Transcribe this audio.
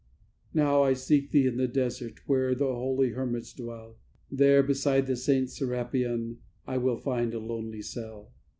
"Now I seek Thee in the desert, where the holy hermits dwell; There, beside the saint Serapion, I will find a lonely cell.